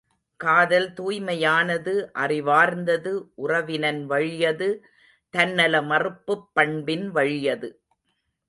காதல் தூய்மையானது அறிவார்ந்தது உறவின் வழியது தன்னல மறுப்புப் பண்பின் வழியது.